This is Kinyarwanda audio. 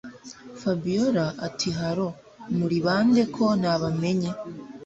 Fabiora atihallo muribande ko ntabamenye